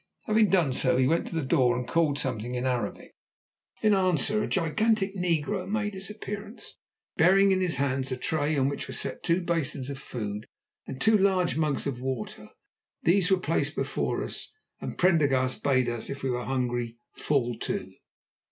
Having done so he went to the door and called something in Arabic. In answer a gigantic negro made his appearance, bearing in his hands a tray on which were set two basins of food and two large mugs of water. These were placed before us, and Prendergast bade us, if we were hungry, fall to.